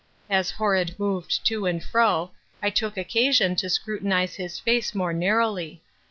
As Horrod moved to and fro I took occasion to scrutinize his face more narrowly.